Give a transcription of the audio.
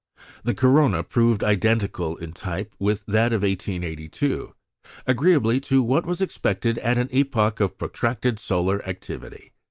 The corona proved identical in type with that of 1882, agreeably to what was expected at an epoch of protracted solar activity.